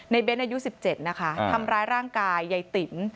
เน้นอายุ๑๗นะคะทำร้ายร่างกายยายติ๋ม